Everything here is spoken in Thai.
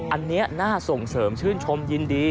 อันนี้น่าส่งเสริมชื่นชมยินดี